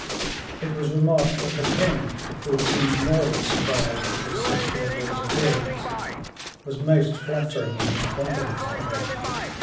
It was remarked that the king, who had seemed more than surprised at his sister in law's appearance, was most flattering in his compliments to her.